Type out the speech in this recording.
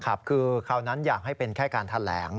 ครับคือคราวนั้นอยากให้เป็นแค่การแถลง